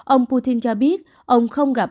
ông putin cho biết ông không gặp